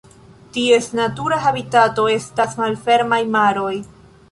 Ties natura habitato estas malfermaj maroj.